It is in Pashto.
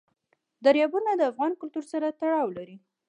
دریابونه د افغان کلتور سره تړاو لري.